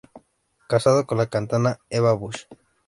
Casado con la cantante Eva Busch.